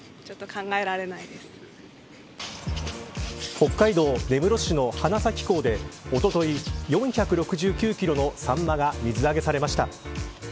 北海道根室市の花咲港でおととい４６９キロのサンマが水揚げされました。